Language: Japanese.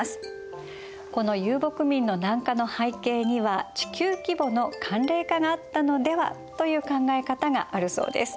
この遊牧民の南下の背景には地球規模の寒冷化があったのではという考え方があるそうです。